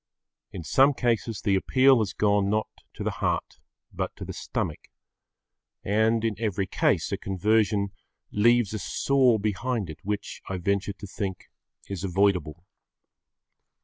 In some cases the appeal has gone not to the heart but to the stomach. And in every case a conversion leaves a sore behind it which, I venture to think, is avoidable.